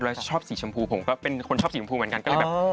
ชอบสีชมพูผมก็เป็นคนชอบสีชมพูเหมือนกันก็เลยแบบ